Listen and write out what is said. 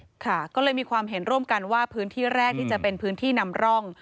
ค่ะก็เลยมีความเห็นร่วมกันว่าพื้นที่แรกที่จะเป็นพื้นที่นำร่อง